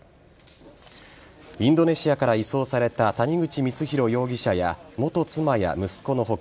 インドネシアから移送された谷口光弘容疑者や元妻や息子の他